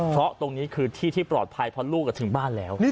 ประหว่างที่พ่อคนนี้